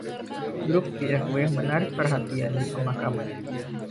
Grup VFW menarik perhatian di pemakaman.